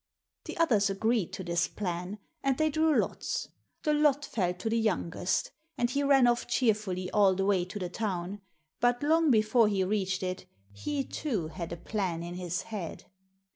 The others agreed to this plan, and they drew lots. The lot fell to the youngest, and he ran off cheerfully all the way to the town ; but long before he reached it, he, too, had a plan in his head.